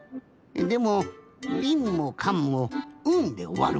でもびんもかんも「ん」でおわるもんな。